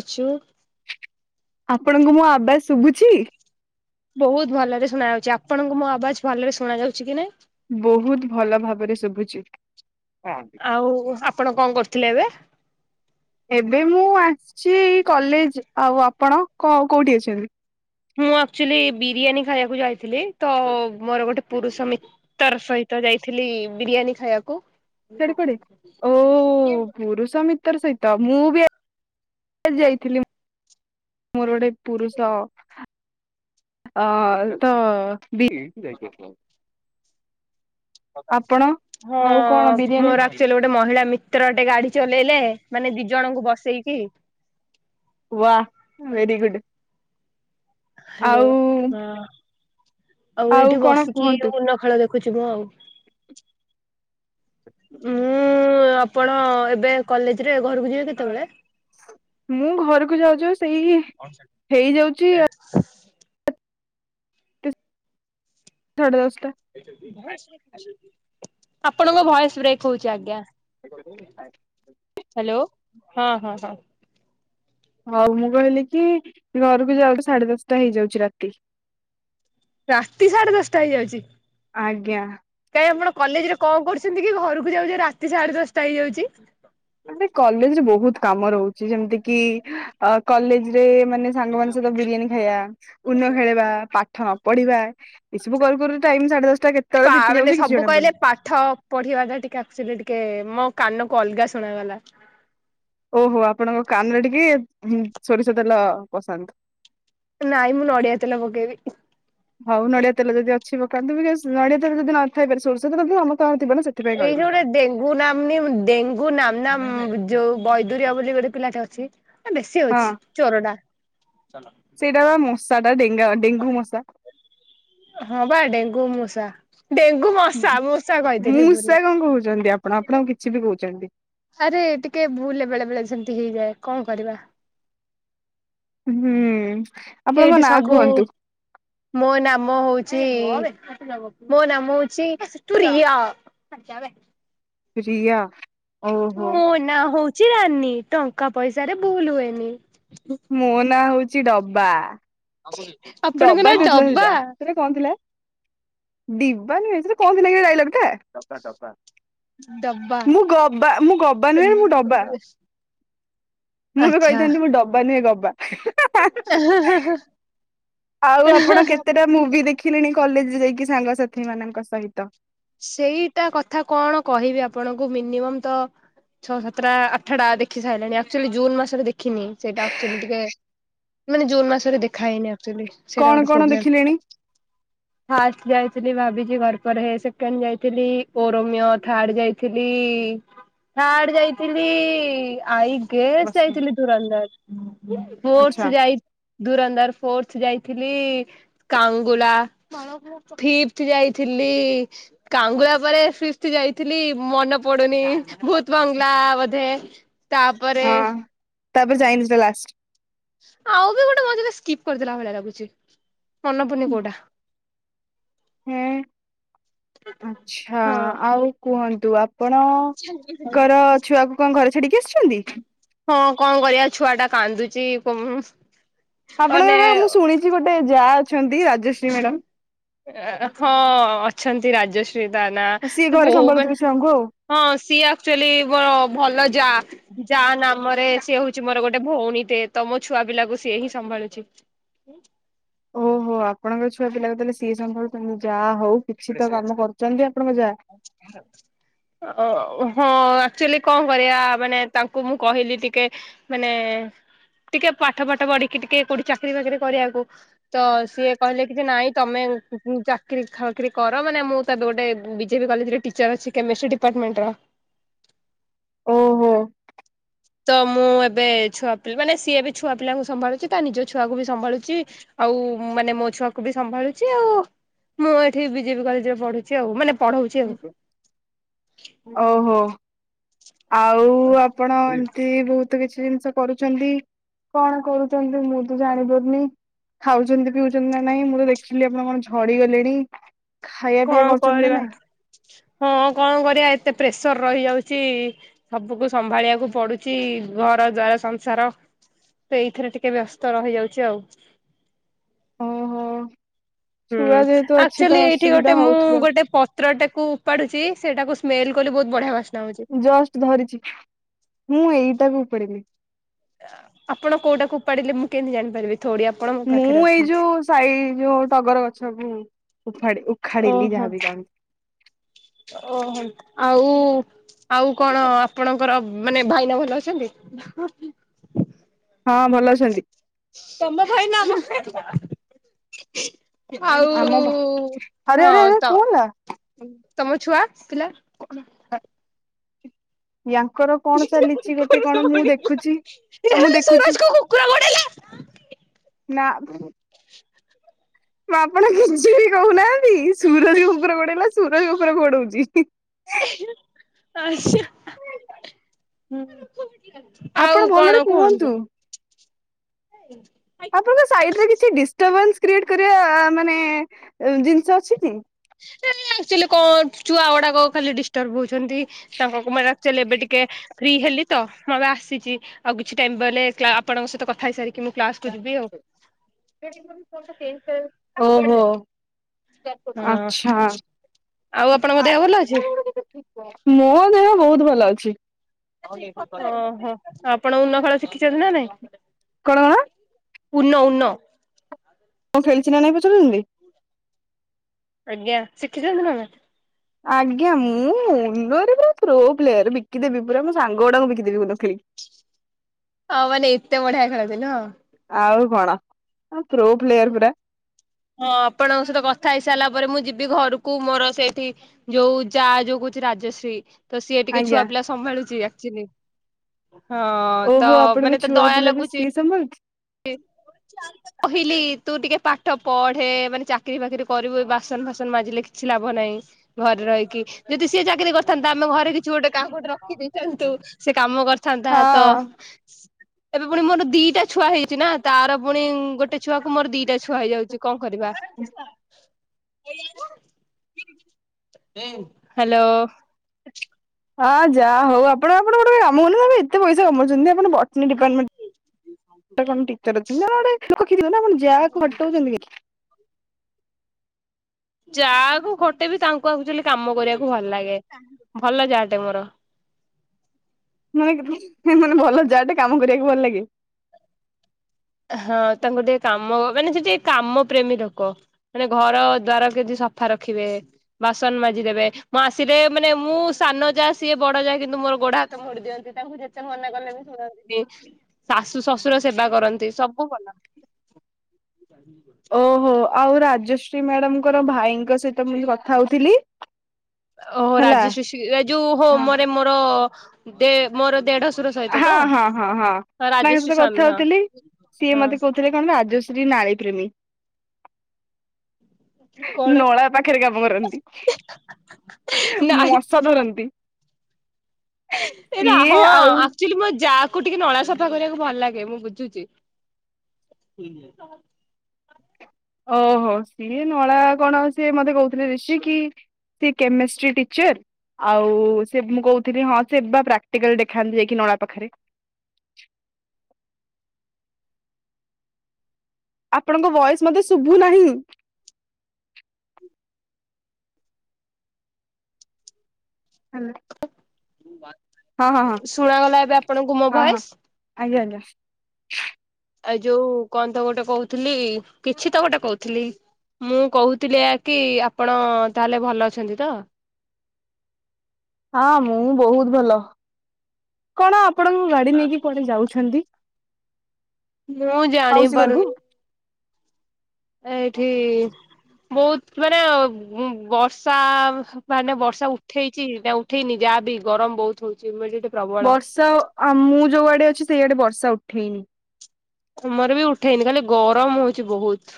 କଣ କରୁଚୁ? [unintelligible] ଆପଣଙ୍କୁ ମୋ ଆବାସ ବହୁତ ଭଲରେ ଶୁଣା ଯାଉଛି ଆପଣଙ୍କ ମୋ ଆବାଜ ଭଲରେ ଶୁଣା ଯାଉଛି କି ନାଇଁ? ବହୁତ ଭଲ ଭାବରେ ଶୁଭୁଛି। ଆଉ ଆପଣ କଣ କରୁଥିଲେ ଏବେ ଏବେ ମୁଁ ଆସିଛିଇ କଲେଜ ଆଉ ଆପଣ କ କୋଉଠି ଅଛନ୍ତି। ମୁଁ ଆକ୍ଚୁଲି ବିରିୟାନୀ ଖାଇବାକୁ ଯାଇଥିଲି ତ ମୋର ଗୋଟେ ପୁରୁଷ ମିତ୍ରର ସହିତ ତ ଯାଇଥିଲି ବିରିୟାନୀ ଖାଇବାକୁ। ସିଆଡେ କୁଆଡ଼େ ଓ ପୁରୁଷ ମିତ୍ର ସହିତ ମୁଁ ବି ଆ ଯାଇଥିଲି। ମୋର ଗଟେ ପୁରୁଷ ଅ ଅ ତ ଦ ଯାଇକି? ହଁ ଆଉ କଣ ବିରିୟାନୀ ମୋର ଆକ୍ଚୁଲି ଗୋଟେ ମହିଳା ମିତ୍ର ଗୋଟେ ଗାଡି ଚଲେଇଲେ ମାନେ ଦି ଜଣଙ୍କୁ ବସେଇକି ବାୱହ ଭେର ଗୁଡ ହାଲୋ ଆଉ ହଁ। ଆଉ ଏଇଠି କଣ ବସିକି କୁହନ୍ତୁ? ଉନ ଖେଳ ଦେଖ। ଦେଖୁଛି ମୁଁ ଆଉ ମୁଁ ଆପଣ ଏବେ କଲେଜ ରେ ଘରକୁ ଯିବେ କେତେବେଳେ? ମୁଁ ଘରକୁ ଯାଉ ଯାଉ ସେଇ ହେଇଯାଉଚି [unintelligible] ଏଇ ଯୋଉ [unintelligible] ଆପଣଙ୍କ ଭଏସ ବ୍ରେକ୍ କହୁଛି ଆଜ୍ଞା। ହାଲୋ ହଁ ହଁ ହଁ। ହଉ ମୁଁ କହିଲି କି ଘରକୁ ଯାଉ ସାଢେ ଦଶଟା ହେଇଯାଉଛି ରାତି। ରାତି ସାଢେ ଦଶଟା ହେଇଯାଉଛି। ଆଜ୍ଞା। କଲେଜ ରେ କଣ କରୁଛନ୍ତି କି ଘରକୁ ଯାଉଛ ରାତି ସାଢେ ଦଶଟା ହେଇଯାଉଛି। ଆରେ କଲେଜରେ ବହୁତ କାମ ରହୁଛି ଯେମିତି କିି ଅ କଲେଜ ରେ ମାନେ ସାଙ୍ଗ ମାନଙ୍କ ସହିତ ବିରିୟାନୀ ଖାଇବା ଉନ ଖେଳିବା ପାଠ ନ। ପଢ଼ିବା। କେତେବେଳେ ବିତି ମାନେ ଯାଉଛି କିଛି ସବୁ ଜଣା ପଡୁନି। କହିଲେ ପାଠ ପଢିବା ଟା ଟିକେ ଆଚୁଲି ଟିକେ ମୋ କାନକୁ ଅଲଗା ଶୁଣାଗଲା ଓହୋ ଆପଣଙ୍କ କାନରେ ଟିକେ ସୋରିଷ ତେଲ ପସାନ୍ତୁ ନାଇଁ ମୁଁ ନଡିଆତଲ ବୋଗେଇବି କୁ ନଡ଼ିଆରେ ଯି ନଥାଇ ପାରେ ସୋଷ ତୁ ଏଇ ଜୋଟେ ଡେଙ୍ଗୁ ନାମନ ଡେଙ୍ଗୁ ନାମ ନାମ ଯୋଉ ବୈଦରିଆ ବୋଲି ଗୋଟେ ପିଲାଟେ ଅଛି। ବେଶୀ ଅଉଛି ହଁ ଚୋର ଟା ସାଟା ଦେଖ ହଁ ବା ଡେଙ୍ଗୁ ମୂଷା ଡେଙ୍ଗୁ ମଶା ମୂଷା କହିଦେି ମୂଷା ବୁଲେ କଣ କହୁଛନ୍ତି ଆପଣ ଆପଣ କିଛି ବି କହୁଛନ୍ତି ଆରେ ଟିକେ ବୁଲେ ବେଳେ ବେଳେ ଯେମିତି ହେଇଯାଏ। କଣ କରିବା? ହୁଁ। ଆପଣଙ୍କ ଏଇଠି ନାଁ ସବୁ କୁହନ୍ତୁ ମୋ ନାମ ହଉଛି। ମୋ ନାମଛିିରିୟ ପ୍ରିଆ। ଓହୋ। ଚରାନି ଟଙ୍କା ପଇସାରେ ଭୁଲ ହୁଏନି [inaudible] ମୋ ନାଁ ହଉଛି କିଛି ଡବା। ଆପଣଙ୍କ ଡବା ନାଁ ଡବା ଦିବାନ ହେଇ କଣସି ଲାଗ ଗାଇ ଗଟେ ଡବା। ମୁଁ ଗବା ମୁଁ ଗବା ନୁହେଁ ମୁଁ ଡବା ମୁଁ ବି ଆଚ୍ଛା କହିଥାନ୍ତି ମୋ ଡବା ନୁହେଁ ଗ ବା [inaudible] ଆଉ ଆପଣ କେତେଟା ମୁଭି ଦେଖିଲେଣି କଲେଜ ଯାଇକି ସାଙ୍ଗସଥି ଏ ମାନଙ୍କ ସହିତ ସେଇଟା କଥା କଣ କହିବି ଆପଣଙ୍କୁ ମିନିମମ୍ ତ ଛଅ ସାତଟା ଆଠଟା ଦେଖି ସାରିଲାଣି ଆଚୁଆଲି ଜୁନ୍ ମାସରେ ଦେଖିନି ସେଇଟା ଆକ୍ଚୁଆଲି ଟିକେ ମାନେ ଜୁନ୍ ମାସରେ ଦେଖାହଇନି ସେଟା କଣ କଣ ଦେଖିଲେଣି? ଗୋଟେଲେ ଭାବିଛି ଘର ପରେରେ ହେ ସେ ଯାଇଥିଲି ଓରମ୍ୟ ଥଡ ଯାଇଥିଲି ଥାର୍ଡ ଯାଇଥିଲି ଆଇ କେସ୍ ବସ ଯାଇଥିଲି ଦୁରନ୍ଦାର ଫର୍ ଆଚ୍ଛା ଯାଇ ଦୁରନ୍ଦାର ଫୋସ ଯାଇ ଥିଲ କଙ୍ଗୁଲାପ ଯାଇଥିଲି କାଙ୍ଗୁଳା ପରେ ସୃଷ୍ଟି ଯାଇଥିଲି ମନେ ପଡୁନି ଭହୁତ ଭଙ୍ଗଲା ବୋଧେ ତାପରେ [inaudible] ହଁ ତାପରେ ଯାଇନି ଲାଷ୍ଟ। ଆଉ ବି ଗୋଟେ ମଜରେ ସ୍କିପ୍ କରିଦେଲା ଭଳିଆ ଲାଗୁଛି ଅନପୁନି କୋଡ଼ା ହୁଁ। ଆଛା ହଁ। ଆଉ କୁହନ୍ତୁ। ଆପଣଙ୍କ ର ଛୁଆକୁ କଣ ଘରେ ଛାଡିକି ଆସିୁଛନ୍ତି ହଁ କଣ କରିବା ଛୁଆ ଟା କାନ୍ଦୁଛି କ ଆପଣଙ୍କର ମୁଁ ଶୁଣିଛି ଗୋଟେ ଯାହା ହଁ ଅଛନ୍ତି। ରାଜେଶ ନା ସିଏ ସେ ଘରେ ବୋ ହଁ ସମ୍ଭାଳୁଥିବେ ଛୁଆଙ୍କୁ ଆଉ। ସିଏ ଆକ୍ଚୁଆଲି ମୋର ଭଲ ଯା। ଯା ନାମରେ ସିଏ ହଉଛି ମୋର ଗୋଟେ ଭଉଣୀ ଟେ। ତ ମୋ ଛୁଆପିଲାକୁ ସିଏ ହିଁ ସମ୍ଭାଳୁଛି। ଓହୋ, ଆପଣଙ୍କର ଛୁଆପିଲାକୁ ତାହେଲେ ସିଏ ସମ୍ଭାଳୁଛନ୍ତି, ଯାହା ହଉ। କିଛି ତ କାମ କରୁଛନ୍ତି ଆପଣଙ୍କ ଯା। ଓ [unintelligible] ହଁ ଆଚୁଆଲି କଣ କରିବା ମାନେ ତାଙ୍କୁ ମୁଁ କହିଲି ଟିକେ ମାନେ ଟିକେ ପାଠ ପାଠ ପଢିକି ଟିକେ କୋଠି ଚା ଚାକିରି ବାକିରି କରିବାକୁ ତ ସିଏ କହିଲେ କିଛି ନାଇଁ ତମେ ମୁଁ ଚାକିରି ଖ ଚାକିରି କର ମାନେ ମୁଁ ତ ଏବେ ଗୋଟେ ବିଜେପି କଲେଜରେ ଟିଚର ଅଛି କେମେଷ୍ଟ୍ରି ଡିପାର୍ଟମେଣ୍ଟର। ଓ ହୋ। ତ ମୁଁ ଏବେ ଛୁଆା ମାନେ ସିଏ ବି ଛୁଆ ପିଲାଙ୍କୁ ସମ୍ଭାଳୁଛି ତା ନିଜ ଛୁଆକୁ ବି ସମ୍ଭାଳୁଛି ଆଉ ମାନେ ମୋ ଛୁଆକୁ ବି ସମ୍ଭାଳୁଛି ଆଉ। ମୁଁ ଏଠି ବିଜେପି କଲେଜରେ ପଢୁଛି ଆଉ ମାନେ ପଢଉଛି ଆଉ। ଓହୋ। ଆଉ ଆପଣ ଏମିତି ବହୁତ କିଛି ଜିନିଷ କରୁଛନ୍ତି। କଣ କରୁଛନ୍ତି। ମୁଁ ତ ଜାଣି ପାରୁନି। ଖାଉଛନ୍ତି ପିଉଛନ୍ତି ନା ନାହିଁ। ମୁଁ ତ ଦେଖିଲି ଆପଣ କଣ ଝଡିଗଲେଣି। କଣ କରିବା। ହଁ କଣ କରିବା ଏତେ ପ୍ରେସ ସର ରହିଯାଉଛି। ସବୁକୁ ସମ୍ଭାଳିବାକୁ ପଡୁଛି ଘର ଦ୍ୱାର ସଂସାର। ତ ଏଇଥିରେ ଟିକେ ବ୍ୟସ୍ତ ରହିଯାଉଛି ଆଉ। ଓ ହୋ। ହୁଁ ଆକ୍ଚୁଆଲି ଏଇଠି ଗୋଟେ ମୁଁ ହଉଥିବ ଗୋଟେ ପତ୍ରଟେ କୁ ଉପାଡୁଛି ସେଟାକୁ ସ୍ମେଲ କଲି ବହୁତ ବଢିଆ ବା ଜଷ୍ଟ ଧରିଛି। ମୁଁ ଏଇ ଟାକୁ ଉପାଡ଼ିଲି। ଆପଣ କୋଉଟାକୁ ଉପାଡିଲେ ମୁଁ କେମିତି ଜାଣିପାରିବି। ଥୋଡି ଆପଣ ମୋ ପାଖରେ ମୁଁ ଏଇ ଅଛନ୍ତି। ଯୋଉ ସାଇ ଯୋଉ ଟଗର ଗଛ ଆଛା ହୁଁ। ଉାଖା ଉଖାଡ଼ିଲି ଓହୋ ଯାହାବି କହନ୍ତି। ଓହୋ, ଆଉ ଆଉ କଣ ଆପଣଙ୍କର ମାନେ ଭାଇନା ଭଲ ଅଛନ୍ତି? ହଁ ଭଲ ଅଛନ୍ତି [unintelligible] [inaudible] ଆଉ ଆମ ଭ ଆରେ ହଁ ଆରେ ଆରେ ତ। କଣ ହେଲା ତମ ଛୁଆ ଆସିଥିଲା। କଣ? ୟାଙ୍କର କଣ କୁ ଚାଲିଛି ଗୋଟେ କଣ ମୁଁ ଦେଖୁଛି ଆଉ ମୁଁ ଦେଖୁଛି। କୁକୁର ଗୋଡେଇଲା। ନା। ଆପଣ କିଛିବି କହୁନା ସୁରଜ କୁକୁର ଗୋଢେଇଲା ସୁରଜ କୁକୁର ଗୋଡଉଛି ହିଁ ହିଁ ଆଛା [inaudible] ହୁଁ। ଆପଣ ଆଉ ଭଲରେ କଣ କୁହନ୍ତୁ। [inaudible] ଆପଣଙ୍କ ସାଇଟରେ କିଛି ଡିଷ୍ଟରବାନ୍ସ କ୍ରିଏଟ୍ କରିବା ମାନେ ଏଁ [inaudible] ଆକ୍ଚୁଆଲି କଣ ଛୁଆଗୁଡାକ ଖାଲି ଡିଷ୍ଟର୍ବ ହଉଛନ୍ତି ତାଙ୍କଙ୍କୁ ମାନେ ଆକ୍ଚୁଆଲି ଏବେ ଟିକେ ଫ୍ରି ହେଲି। ତ, ମୁଁ ଏବେ ଆସିଛି ଆଉ କିଛି ଟାଇମ୍ ବଇଲେ କ୍ଲା ଆପଣଙ୍କ ସହିତ କଥା ହେଇସାରି ଓହୋଃ। ହଁ ଆଛା। ଆଉ ଆପଣଙ୍କ ଦେହ ଭଲ ଅଛି? ମୋ ଦେହ ବହୁତ ଭଲ ଅଛି। କଣ ଓହୋଃ ଆପଣ ଉନୋ ଖେଳ ଶିଖିଛନ୍ତି? କଣ? ଉନୋ ଉନୋ। ମୁ ଖେଳିଛି ନା ନାଇଁ ପଚାରୁଛନ୍ତି? ଆଜ୍ଞା ଶିଖିଛନ୍ତି ନା ନାହିଁ? ଆଜ୍ଞା ମୁଁ ଊନୋରେ ପୁରା ପ୍ରୋ ପ୍ଲେୟର୍ ବିକିଦେବି ପୁରା ମୋ ସାଙ୍ଗ ଗୁଡାଙ୍କୁ ବିକିଦେବି ଊନୋ ଖେଳିକି। ଆଉ ମାନେ ଏତେ ବଡ଼ିଆ ଖେଳନ୍ତି ନୁହଁ? ଆଁ ପ୍ରୋ ପ୍ଳେୟର ପୁରା। ହଁ ଆପଣଙ୍କ ସହିତ କଥା ହେଇସାରିଲା ପରେ ମୁଁ ଯିବି ଘରକୁ ମୋର ସେଇଠି ଯୋଉ ଯାଆ ଯୋଉ କହୁଛି ରାଜଶ୍ରୀ। ତ ସିଏ ଟିକେ ଆଜ୍ଞା। ଛୁଆ ପିଲା ସମ୍ଭାଳୁଛି ଆ। ଚିନି। ଓହୋଃ ଆପଣଙ୍କ ଛୁଆ ପିଲାକୁ ଲାଗୁଛି ସିଏ ସମ୍ଭାଳୁଛି? କହିଲି ତୁ ଟିକେ ପାଠ ପଢେ ମାନେ ଚାକିରିଫାକିରି କରିବୁ ବାସନଫାସନ ମାଜିଲେ କିଛି ଲାଭ ନାହିଁ ଘରେ ରହିକି। ଯଦି ସିଏ ଚାକିରି କରିଥାନ୍ତା ଆମ ଘରେ କିଛି ଗୋଟେ କାହାକୁ ଗୋଟେ ରଖି ଦେଇେଇଥାନ୍ତୁ ସେ କାମ କରିଥାନ୍ତା ତ। ହଁ। ଏବେ ପୁଣି ମୋର ଦିଟା ଛୁଆ ହେଇ ଚିନା ତାର ପୁଣି ଗୋଟେ ଛୁଆକୁ ମୋର ଦିଟା ଛୁଆ ହେଇଯାଉଛି କଣ କରିବା। ହ୍ୟାଲୋ। ହଁ ଯାହା ହଉ ଆପଣ ଆପଣ ଗୋଟେ କାମ କରୁନାହାନ୍ତି ଏତେ ପଇସା କମଉଛନ୍ତି ଆପଣ ବଟନି ଡିପାର୍ଟମେଣ୍ଟ [inaudible] ରେ କଣ ଗୋଟେ ଟିଚର ଅଛନ୍ତି। [inaudible] ଦେଖିଥିବେ ନା ଆପଣ ଯାଆ ଖଟଉଛନ୍ତି କି? ଯାଆକୁ ଖଟେଇବି ତାଙ୍କୁ ଆକ୍ଚୁଆଲି କାମ କରିବାକୁ ଭଲ ଲାଗେ, ଭଲ ଯାଆଟେ ମୋର। [inaudible] ମାନେ ଭଲ ଯାଆଟେ କାମ କରିବାକୁ ଭଲ ଲାଗେ? ହଁ ତାଙ୍କୁ ଟିକେ କାମ ମାନେ ସେ ଟିକେ କାମ ପ୍ରେମୀ ଲୋକ, ମାନେ ଘର ଦ୍ଵାର କେମିତି ସଫା ରଖିବେ, ବାସନ ମାଜିଦେବେ, ମୁଁ ଆସିଲେ ମାନେ ମୁଁ ସାନ ଯାଆ ସିଏ ବଡ ଯାଆ କିନ୍ତୁ ମୋର ଗୋଡ ହାତ ମୋଡି ଦିଅନ୍ତି ତାଙ୍କୁ ଯେତେ ମନା କଲେ ବି ଶୁଣନ୍ତିନି ଶାଶୁ ଶଶୁର ସେବା କରନ୍ତି। ସବୁ ଭଲ। [inaudible] ଶ୍ରୀ ମ୍ୟାଡାମଙ୍କର ଭାଇଙ୍କ ସହିତ ମୁଁ କଥା ହଉଥିଲି। ଓହୋ ହେଲା। ରାଜଶ୍ରୀ ଏ ଯୋଉ ହୋ ହଁ ମାନେ ମୋର ଦେ ମୋର ଦେଢ ହଁ ହଁ ହଁ ହଁ ତାଙ୍କ ସହିତ ସ୍ଵାମୀ କଥା ହଁ ହଉଥିଲି ସିଏ ହଁ। ମତେ କହୁଥିଲେ କଣ ରାଜଶ୍ରୀ ନାଳି ପ୍ରେମୀ। କଣ ନଳା ପାଖରେ କାମ କରନ୍ତି ନାଇଁ ମଶା ଧରନ୍ତି। ଏଇଟା ସିଏ ହଁ ଆଉ ଆ ମୋ ଯାଆକୁ ଟିକେ ନଳା ସଫା କରିବାକୁ ଭଲ ଲାଗେ ମୁଁ ବୁଝୁଛି। ଓହୋ ସିଏ ନଳା କଣ ସ ମତେ କହୁଥିଲେ ରିଶି କି ସେ କେମିଷ୍ଟ୍ରୀ ଟିଚର ଆଉ ସେ ମୁଁ କହୁଥିଲି ହଁ ସେ ବା ପ୍ରାକ୍ଟିକାଲ ଦେଖାନ୍ତି ଯାଇକି ନଳା ପାଖରେ। ଆପଣଙ୍କ ଭଏସ ମତେ ଶୁଭୁ ନାହିଁ। ହେଲୋ। ମୁଁ ବା ଶୁଣାଗଲା ଏବେ ଆପଣଙ୍କୁ ମୋ ହଁ ହଁ ଭଏସ? ଆଜ୍ଞା [inaudible] ଏଯୋଉ କଣ ତ ଗୋଟେ କହୁଥିଲି କିଛି ତ ଗୋଟେ କହୁଥିଲି ମୁଁ କହୁଥିଲି ଏଆକି ଆପଣ ତାହେଲେ ଭଲ ଅଛନ୍ତି ତ? ହଁ ମୁଁ ବହୁତ ଭଲ କଣ? ଆପଣ ଗାଡି ନେଇକି କୁଆଡେ ଯାଉଛନ୍ତି? ମୁଁ ଜାଣି ମାଉସୀ ଘରକୁ। ପାରୁନି। ଏଇଠି ବହୁତ ମାନେ ବର୍ଷା ମାନେ ବର୍ଷା ଉଠେଇଛି ନା ଉଠେଇନି ଯାହା ବିି ଗରମ ବହୁତ ହଉଛି ହ୍ୟୁମି ଵର୍ଷା ଆ ମୁଁ ଯୋଉ ଆଡେ ଅଛି ସେଇଆଡେ ବର୍ଷା ଉଠେଇନି। ଆମର ବି ଉଠେଇନି ଖାଲି ଗରମ ହଉଛି ବହୁତ।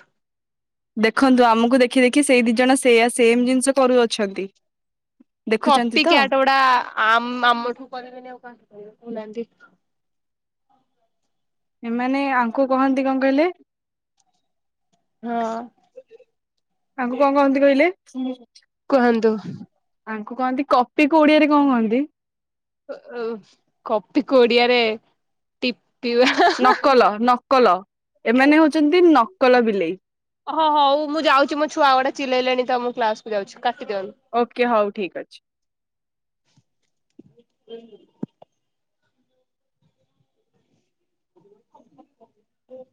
ଦେଖନ୍ତୁ ଆମକୁ ଦେଖି ଦେଖି ସେଇ ଦିଜଣ ସେୟା ସେମ୍ ଜିନିଷ କରୁଅଛନ୍ତି। ଦେଖୁଛନ୍ତି କପି ତ କ୍ୟାଟ ଗୁଡା ଆମ୍ ଆମଠୁ କରିବେନି ଆଉ କାହାଠୁ କରିବେ କହୁ ନାହାନ୍ତି। ଏମାନେ ଆଙ୍କୁ କହନ୍ତି କଣ କହିଲେ? ହଁ। ତାଙ୍କୁ କଣ କହନ୍ତି କହିଲେ? କୁହନ୍ତୁ ତାଙ୍କୁ କହନ୍ତି କପିକୁ ଓଡିଆରେ କଣ କହନ୍ତି? କପିକୁ ଓଡ଼ିଆରେ ଟିପ୍ ନକଲ ନକଲ ଏମାନେ ହଉଛନ୍ତି ନ କଲ ବିଲେଇ। ହ ହ ହଉ ମୁଁ ଯାଉଛି ମୋ ଛୁଆ ଗୁଡା ଚିଲେଇଲେଣି ତ ମୁଁ କ୍ଲାସକୁୁ ଯାଉଛି। କାଟି ଦିଅନ୍ତୁ। ଓକେ ହଉ ଠିକ ଅଛି। [unintelligible] [inaudible]